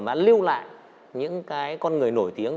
mà lưu lại những cái con người nổi tiếng